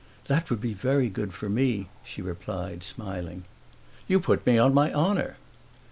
"That would be very good for me," she replied, smiling. "You put me on my honor!"